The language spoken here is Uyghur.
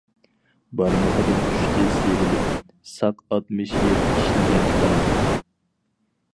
بارمىقىدىن چۈشتى سىيرىلىپ، ساق ئاتمىش يىل كىشنىگەن قەلەم.